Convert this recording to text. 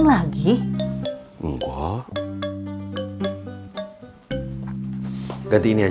selama hari kameran